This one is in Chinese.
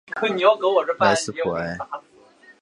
莱斯普埃。